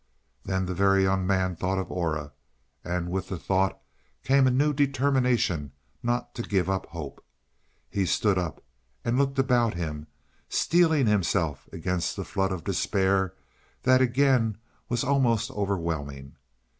Then the Very Young Man thought of Aura; and with the thought came a new determination not to give up hope. He stood up and looked about him, steeling himself against the flood of despair that again was almost overwhelming.